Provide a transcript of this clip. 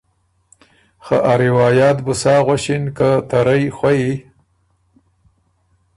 خه ا روایات بُو سا غؤݭِن که ته رئ خوئ